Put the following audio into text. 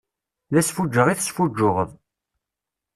D asfuǧǧeɣ i tesfuǧǧuɣeḍ.